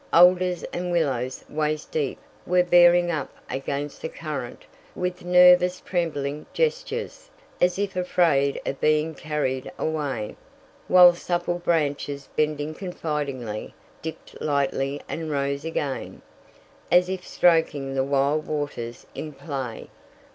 Alders and willows waist deep were bearing up against the current with nervous trembling gestures, as if afraid of being carried away, while supple branches bending confidingly, dipped lightly and rose again, as if stroking the wild waters in play.